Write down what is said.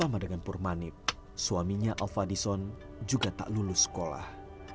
sama dengan purmanib suaminya alva dison juga tak lulus sekolah